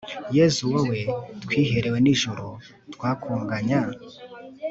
yezu, wowe twiherewe n'ijuru; twakunganya